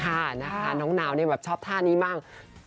ค่ะนะคะน้องนาวเนี่ยแบบชอบท่านี้มาก